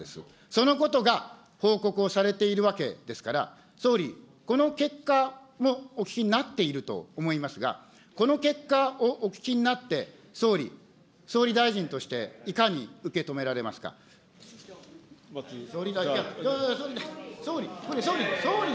そのことが報告をされているわけですから、総理、この結果もお聞きになっていると思いますが、この結果をお聞きになって、総理、総理大臣としていかに受け止められますか。総理、総理です。